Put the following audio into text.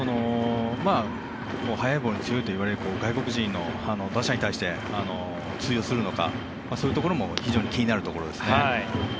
速いボールに強いといわれる外国人の打者に対して通用するのかそういうところも気になるところですね。